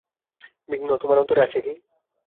বিঘ্ন তোমার অন্তরে আছে কি।